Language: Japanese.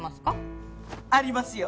ありますよ。